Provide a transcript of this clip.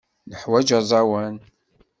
Neḥwaǧ aẓawan.